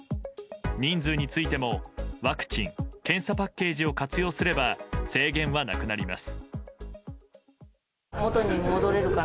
人数についてもワクチン・検査パッケージを活用すれば制限はなくなります。